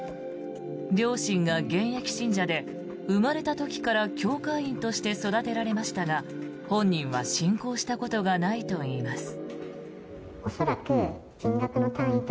両親が現役信者で生まれた時から教会員として育てられましたが本人は信仰したことがないといいます。